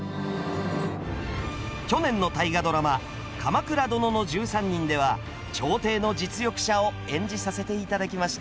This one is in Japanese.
去年の大河ドラマ「鎌倉殿の１３人」では朝廷の実力者を演じさせて頂きました。